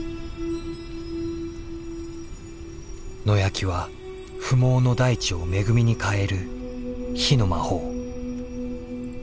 野焼きは不毛の大地を恵みに変える火の魔法。